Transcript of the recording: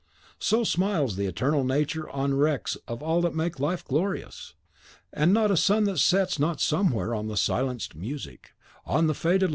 So smiles the eternal Nature on the wrecks of all that make life glorious! And not a sun that sets not somewhere on the silenced music, on the faded laurel!